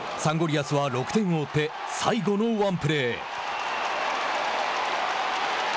リアスは６点を追って最後のワンプレー。